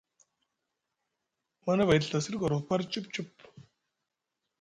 Manavay te Ɵa siɗi gorof sup sup.